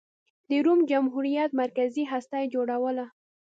د روم جمهوریت مرکزي هسته یې جوړوله.